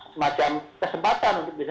semacam kesempatan untuk bisa